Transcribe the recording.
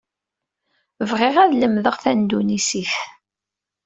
Bɣiɣ ad lemdeɣ tindunisit.